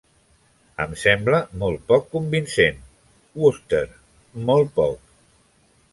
Em sembla molt poc convincent, Wooster, molt poc.